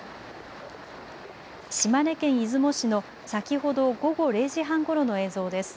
島根県出雲市の先ほど午後０時半ごろの映像です。